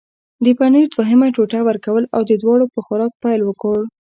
د پنیر دوهمه ټوټه ورکړل او دواړو په خوراک پیل وکړ.